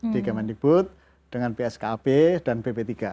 di kemendikbud dengan pskb dan bp tiga